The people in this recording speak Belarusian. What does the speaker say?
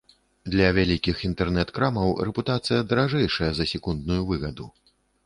Для вялікіх інтэрнэт-крамаў рэпутацыя даражэйшая за секундную выгаду.